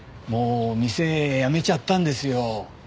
もう店やめちゃったんですよ。